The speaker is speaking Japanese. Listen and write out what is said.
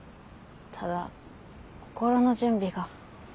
ただ心の準備が。